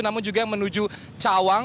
namun juga menuju cawang